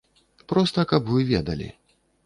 Проста, каб вы ведалі.